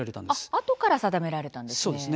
あとから定められたんですね。